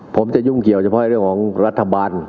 ผมจะยุ่งเกี่ยวเฉพาะเรื่องของรัฐบาล